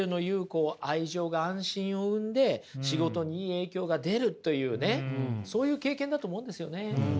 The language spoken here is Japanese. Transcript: こう愛情が安心を生んで仕事にいい影響が出るというねそういう経験だと思うんですよね。